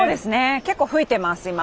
結構吹いてます、今。